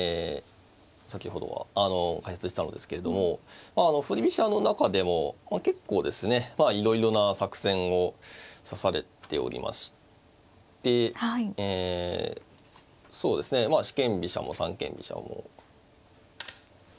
先ほどは解説したのですけれども振り飛車の中でも結構ですねいろいろな作戦を指されておりましてええそうですね四間飛車も三間飛車も。